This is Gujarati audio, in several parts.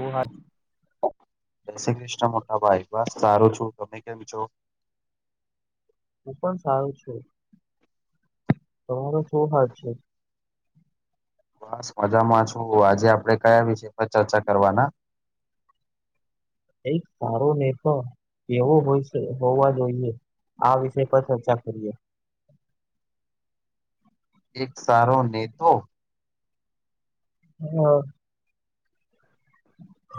ઓ હા જય શ્રી કૃષ્ણ મોટાભાઈ બસ સારું છું તમે કેમ છો હું પણ સારું છું, તમારો શું હાલ છે? બસ મજામાં છું આજે આપડે કયા વિષય પર ચર્ચા કરવાના. [inaudible] એક સારો નતો કેવો હોય છે હોવા જોઈએ? આ વિષય પર ચર્ચા કરીએ. એક સારો નેત્વો. હા.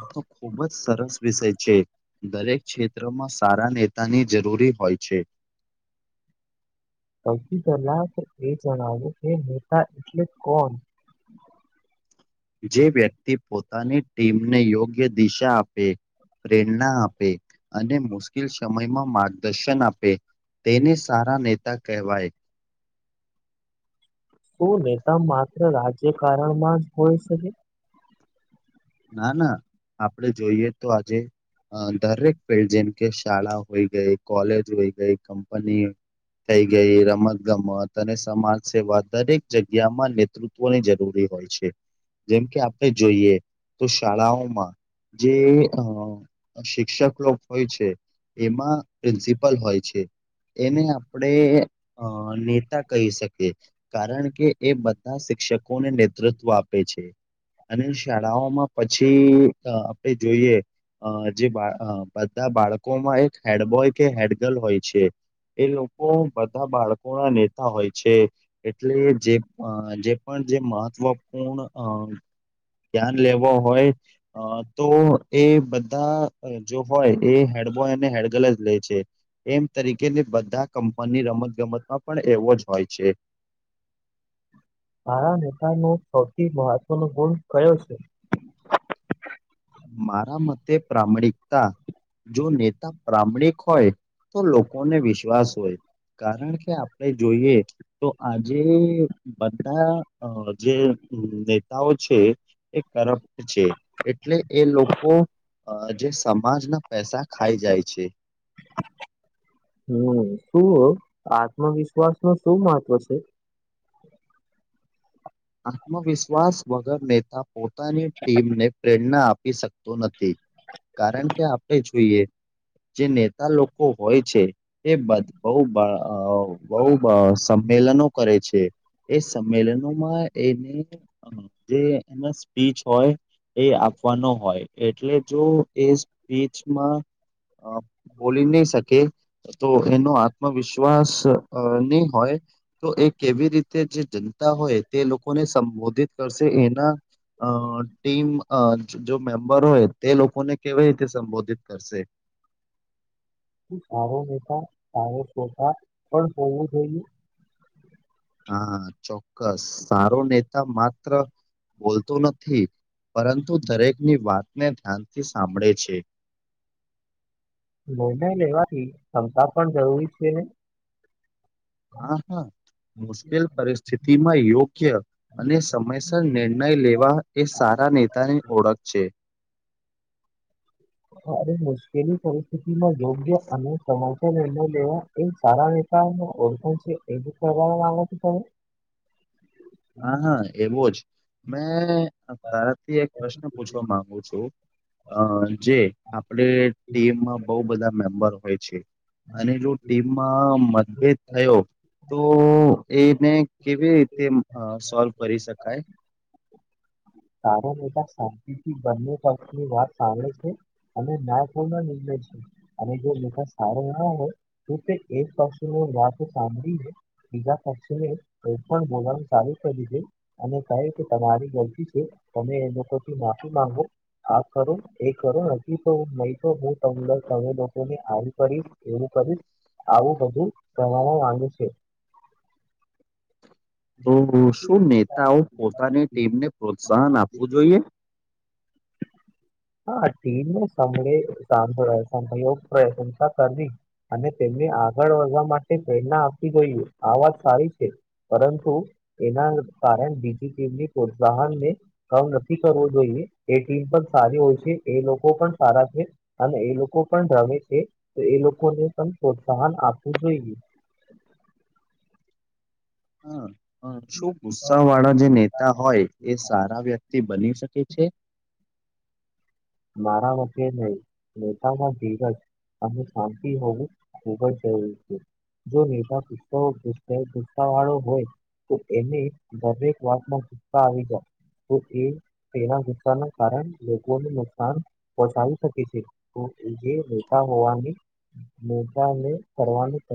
તો ખુબ જ સરસ વિષય છે, દરેક ક્ષેત્રમાં સારા નેતાની જરૂરી હોય છે. સૌથી પેલા એ જણાવ્યું કે નેતા એટલે કોણ? [inaudible] જે વ્યક્તિ પોતાની ટીમને યોગ્ય દિશા આપે પ્રેરણા આપે અને મુશ્કેલ સમયમાં માર્ગદર્શન આપે તેને સારા નેતા કહેવાય. શું નેતા માત્ર રાજ્યકારણમાં જ હોય શકે. ના ના આપડે જોઈએ તો આજે દરેક ફિલ્ડ જેમ કે શાળા હોય ગઈ કોલેજ હોય ગઈ કંપની થઈ ગઈ રમત ગમત અને સમાજ સેવા દરેક જગ્યામાં નેતૃત્વની જરૂરી હોય છે. જેમ કે આપણે જોઈએ તો શાળાઓમાં જે અ શિક્ષક લોક હોય છે એમાં પ્રિન્સિપલ હોય છે એને આપણેે અ નેતા કહી શકીએ કારણ કે એ બધા શી ક્ષકોને નેતૃત્વ આપે છે અને શા ળાઓ માં પછી આપે જોઈએ અ જે અ બા બધા બાળકોમાં એક હેડબોય કે હેડ ગર્લ હોય છે એ લોકો બધા બાળકો ના નેતા હોય છે, એટલે જે જે પણ જે મહત્વપૂર્ણ અ ધ્યાન લેવો હોય અ તો એ બધા જો હોય એ હેડબોય અને હેડગર્લ જ લે છે, એમ તરીકે બધા કંપનીની રમતગમતમાં પણ એવો જ હોય છે. તારા નેતાનો સૌથી મહત્વનો ગુણ કયો છે? મારા મતે પ્રામાણિકતા જો નેતા પ્રમાણિક હોય તો લોકોને વિશ્વાસ હોય કારણ કે આપણે જોઈએ તો આજે બધા અ જે નેતાઓ છે, એ કરપ્ટ છે, એટલે એ લોકો અ જે સમાજના પૈસા ખાઈ જાય છે. હમ્મ. શું આત્મવિશ્વાસ નું શું મહત્વ છે? આત્મવિશ્વાસ વગર નેતા પોતાની ટીમને પ્રેરણા આપી શક્તો નથી. કારણ કે આપણે જોઈએ જે નેતા લોકો હોય છે, એ બધ અ બહ અ બહુ સ મેલનો કરે છે, એ સંમેલનોમાં એને જે એના સ્પીચ હોય એ આપવાનો હોય એટલે જો એ સ્પીચમાં અ બોલી નહી શકે તો એનો આત્મવિશ્વાસ નહી હોય તો એ કેવી રીતે જે જનતા હોય તે લોકોને સંબોધિત કરશે એના અ ટીમ અ જો મેમ્બર હોય તે લોકોને કેવી રીતે સંબોધિત કરશે. [inaudible] સારો નેતા સારો [unintelligible] પણ હોવું જોઈએ. હા ચોક્કસ સારો નેતા માત્ર બોલતો નથી પરંતુ દરેકની વાતને ધ્યાનથી સાંભળે છે. નિર્ણય લેવાથી ક્ષમતા પણ જરૂરી છે ને હા હા. મુશ્કેલ પરિસ્થિતિમાં યોગ્ય અને સમયસર નિર્ણય લેવા એ સા રા નેતાની ઓળખ છે. [inaudible] મુશ્કેલી પરિસ્થિતિમાં યોગ્ય અને સમાચર [unintelligible] તો તમે હા હા, એવો જ મેં તારાથી એક પ્રશ્ન પૂછવા માંગુ છું. અ જે આપડે ટીમમાં બહુ બધા મેમ્બર હોય છે. અનેજો ટીમમાં મતભેદ થયો તો એને કેવી રીતે અ સોલ્વ કરી શકાય? તારો નેતા શાંતિથી બંને પક્ષની વાત સાંભળી અ ના ખોલ નિર્ણય છે અને સારો ના હોય તું તે એક પાસે વાત સાંભળી હ બીજા પક્ષને કોઈ પણ બોલાવાનું ચાલુ કર્યું છે, અને કહે કે તમારી ગલતી છે, તમે એ લોકો થી માફી માંગો હા કરો એ ખરો નથી તો મળ તો બ તંદર તમે લોકો ની આવી કરી એવું કરી આવું બધું કરાવવા માંગે છે. તો શું નેતાઓ પોતાની તેના ટીમને પ્રોત્સાહન આપવું જોઈએ? હા ટીમને સામ અને તેમને આગળ વધવા માટે પ્રેરણા આપવી જોઈએ આ વાત સારી છે. પરંતુ એ કામ નથી કરવું જોઈએ એ ટીમ પણ સારી હોય છે, એ લોકો પણ સારા છે અને એ લોકો પણ રમે છે. તો એ લો હ શું ગુસ્સા વાળા જે નેતા હોય એ સારા વ્યક્તિ બની શકે છે. મારા માટે નહીં નેતા મા ધીરજ અને શાંતિ હોવું ખુબ જ જરૂરી છે. જો નેતા ગુસ્સો હોય તો એને દરેક વાતમાં ગુસ્સા આવી જાય તો એ એના ગુસ્સા ના કારણે લોકોને નુક સાન પહોંચાડી શકે છે તો એ જે નેતા હોવાની નેતાને કરવાનું ક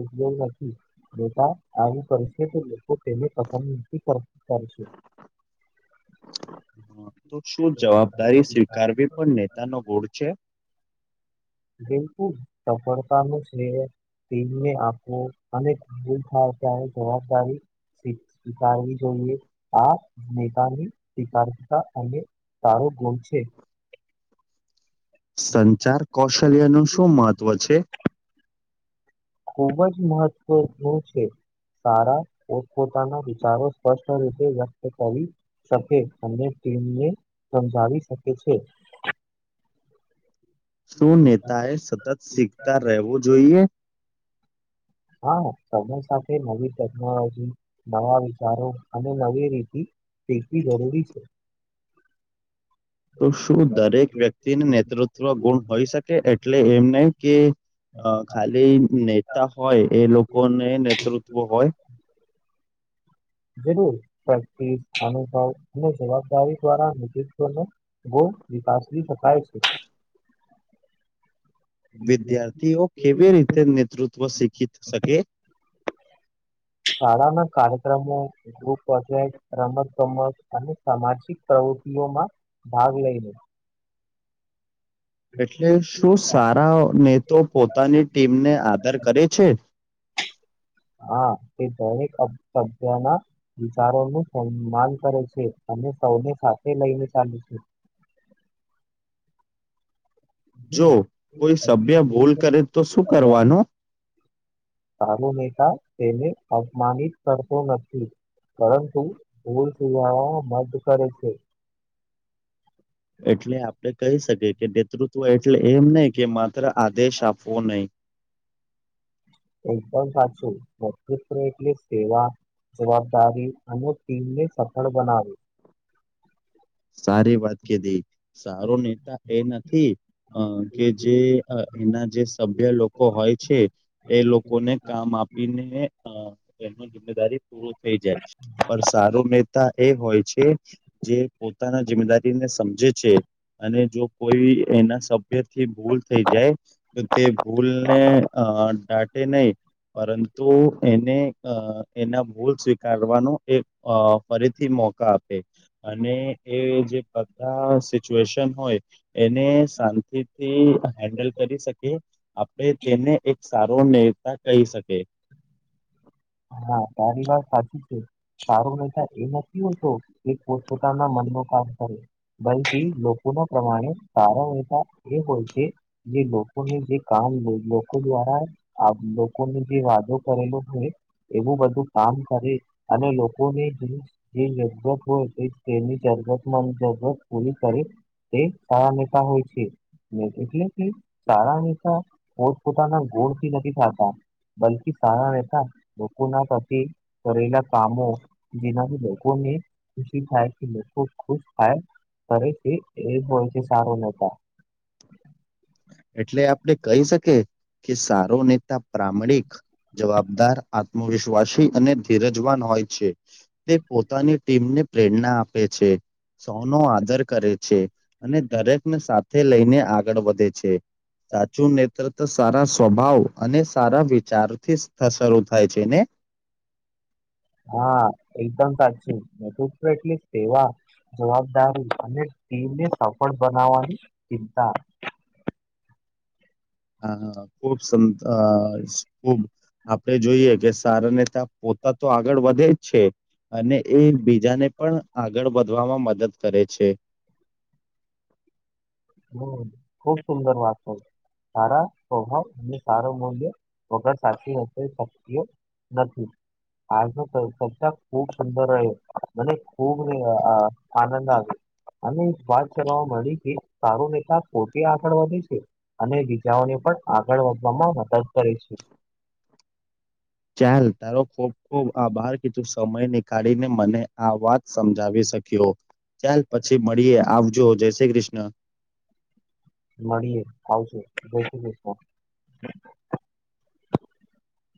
ઉપયોગ નથી. બેટા આવું કરશે તો લોકો તેને પસંદ નથી કર કરશે તો શું જવાબદારી સ્વીકારવી પણ નેતા નો ગોળ છે? બિલકુલ સફળતા ન સ્નેહ તેમને આપો અને ભૂલ થાય ત્યારે જવાબદારી સ્વીકારવી જોઈએ આ નેતાની સ્વીકારતા અને સારો ના ગોલ છે. [inaudible] સંચાર કૌશલ્ય નું શું મહત્ત્વ છે? ખુબ જ મહત્વ છે. સારા પોતપોતાના વિચારો સ્પષ્ટ રીતે વ્યક્ત કરી શકે અને તેમને સમજાવી શકે છે. શું નેતાએ સતત શીખતા રહેવું જોઈએ? હા સમય સાથે નવી ટેકનોલોજી નવા વિચારો અને નવી રીતિ શીખવી જરૂરી છે. [inaudible] તો શું દરેક વ્યક્તિને નેતૃત્વ ગુણ હોઈ શકે એટલે એમને કે અ ખાલી નેતા હોય એ લોકોને નેતૃત્વ હોય જર અનુભવ અને જવાબદારી દ્વારા તવ વપાસ શકાય છે [unintelligible] વિદ્યાર્થીઓ કેવી રીતે નેતૃત્વ શીખી શકે શાળા ના કાર્યક્રમો ગજે રમત ગમત અને સામાજિક પ્રવૃ માં ભાગ લઈ લ એટલે શું સારા નેતો પોતાની ટીમને આદર કરે છે [inaudible] હા તે દરેક સભ્યના વિચારો નું સન્માન કરે છે અને સૌને સાથે લઈ ને ચાલુ છે [inaudible] જો કોઈ સભ્ય ભૂલ કરે તો શું કરવાનો ચાલુ નેતા તેને અપમાનિત કરતો નથી. પરંતુ ભૂલ સુજ મધ કરે છે. એટલે આપણે કહી શકીએ કે નેતૃત્વ એટલે એમ નહી કે માત્ર આદેશ આપવો નહી. એકદમ સાચું નત એટલે સેવા જવાબદારી અને ટીમને સફળ બનાવી સારી વાત કધી સારો નેતા એ નથી અ કે જે એના જે સભ્ય લોકો હોય છે એ લોકોને કામ આપીને એનું જિમેદારી પૂર થઈ જાય પણ સારું મતા એ હોય જે જે પોતાના જિમેદારીને સમજે છે અને જો કોઈ એના સભ્ય થી ભૂલ થઈ જાય તો તે ભૂલને અ દાટે નહી પરંતુ એને એના ભૂલ સ્વીકારવાનો એક ફરીથી મોકા આપે અને એ જે બધા સિચ્યુએશન હોય એને શાંતિથી હેન્ડલ કરી શકી આપણે તેને એક સારો નેતા કહી શકીએ હા તારી વાત સાચી છે સારો નેતા એ નથી હોતો એ પોતપોતાના મનમાં થી લોકો ના પ્રમાણે સારા વતા એ હોય છે જે લોકોને જે કામ લોકો દ્વારા લોકોને જે વાદો કરેલો હોય એવું બધું કામ કર અને લોકોની જે જત હોય તેની ચ ત જરૂત પૂરી કરે તે સારા નેતા હોય છે એટલે કે ચારા તા પોતપોતાના ગોળથી નથી થતા બલકી સારા રહેતા લોકો ના પ્ર કરેલા કામો જેનાથી લોકોને ખુશી થાય કે ખબ ખુશ થાય તરેથી એ હોય છે સારું નતા એટલે આપડે કહી શકી કે સારો નેતા પ્રમાણિક જવાબદાર વશ્વાસી અને ધીરજવાન હોય છે તે પોતાની ટીમને પ્રેરણા આપે છે સૌનો આદર કરે છે અને દરેકને સાથે લઈને આગળ વધે છે સાચું નેતૃત્વ સારા સ્વભાવ અને સારા વિચારથી શરૂ થાય છેને [inaudible] હા એકદમ સાચુંટવક તો એટલી સેવા જવાબદારી અને ટીમને સફળ બનાવવાની ચિંતા [inaudible] આ ખુબ ખુબ આપડણે જોઈએ કે સારા ને ત પો તો આગળ વધે જ છે. હમ અને એ બીજાને પણ આગળ વધવામાં મદદ કરે છે. હ ખુબ સુંદર વાત સારા સ્વભાવ અને સારો મૂલ્ય વગર સાચી શક્તિઓ નથી. આજનો ચર્ચા ખૂબ સુંદર રહ્યો મને ખૂબ અ આનંદ આવ્યો અને એક વાત કરવા મળી કે સારો નેતા પોતે આગળ વધે છે અને બીજાઓને પણ આગળ વધવામાં મદદ કરે છે. [inaudible] ચાલ તારો ખૂબ ખૂબ આભાર કીધું સમય નીકાળી ને મને આ વાત સમજાવીશ શક્યો ચાલ પછી મળીએ આવજો, જય શ્રી કૃષ્ણ. મળીએ આવજો. જય શ્રી કૃષ્ણ. [inaudible]